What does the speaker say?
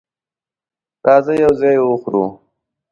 راځئ یو ځای یی وخورو